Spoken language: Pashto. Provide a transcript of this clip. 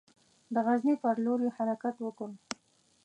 د غزني پر لور یې حرکت وکړ.